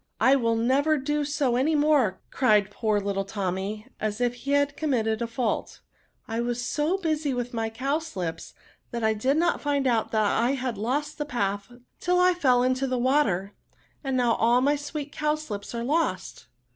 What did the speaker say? I will never do so any more," cried poor little Tommy, as if he had committed a &ult ;" I was so busy with my cowslips, that I did not find out I had lost the path till I fell into the water ; and now all my sweet cowslips are lost